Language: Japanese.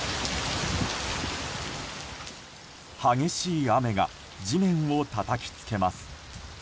激しい雨が地面をたたきつけます。